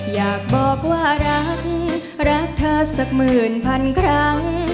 อยากบอกว่ารักรักเธอสักหมื่นพันครั้ง